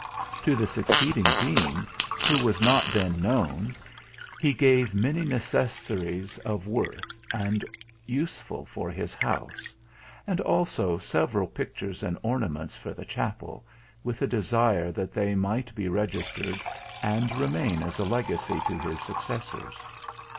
To the succeeding Dean, who was not then known, he gave many necessaries of worth, and useful for his house; and also several pictures and ornaments for the Chapel, with a desire that they might be registered, and remain as a legacy to his successors.